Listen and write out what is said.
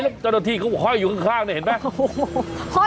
แล้วเจ้าหน้าที่เขาห้อยอยู่ข้างเนี่ยเห็นไหม